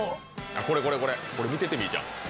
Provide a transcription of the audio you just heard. これこれこれこれ見ててみーちゃん。